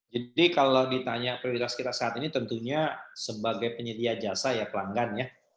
jadi kalau ditanya prioritas kita saat ini tentunya sebagai penyedia jasa ya pelanggan ya